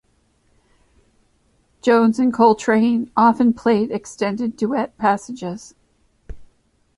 Jones and Coltrane often played extended duet passages.